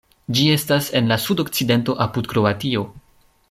Ĝi estas en la sudokcidento apud Kroatio.